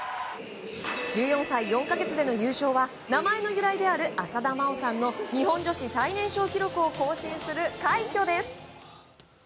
１４歳４か月での優勝は名前の由来である浅田真央さんの日本女子最年少記録を更新する快挙です。